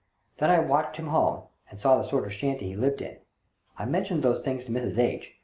Then I just watched him home, and saw the sort of shanty he lived in. I mentioned these things to Mrs. H.